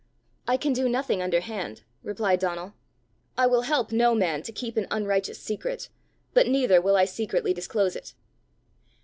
"I can do nothing underhand," replied Donal. "I will help no man to keep an unrighteous secret, but neither will I secretly disclose it."